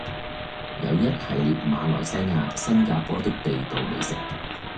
有一系列馬來西亞、新加坡的地道美食